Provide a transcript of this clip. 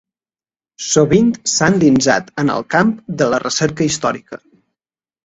Sovint s’ha endinsat en el camp de la recerca històrica.